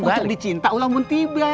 pucuk dicinta ulam pun tiba